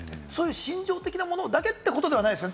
心情的なものだけってことではないですよね？